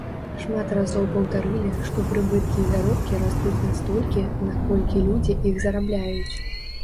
Шмат разоў паўтарылі, што прыбыткі і заробкі растуць настолькі, наколькі людзі іх зарабляюць.